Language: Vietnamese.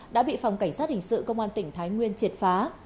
đã bị phòng cảnh sát hình sự công an tỉnh thái nguyên triệt phá